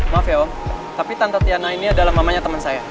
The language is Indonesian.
maaf ya om tapi tante tiana ini adalah mamanya teman saya